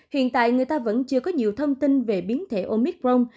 hiện tại người ta vẫn chưa có nhiều thông tin về biến thể omicron